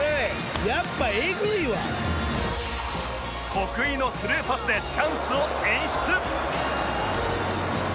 得意のスルーパスでチャンスを演出！